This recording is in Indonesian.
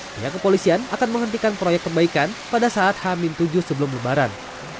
pihak kepolisian akan menghentikan proyek perbaikan pada saat hamin tujuh sebelum lebaran